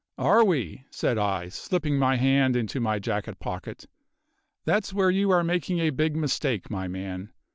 "Are we?" said I, slipping my hand into my jacket pocket. "That's where you are making a big mistake, my man.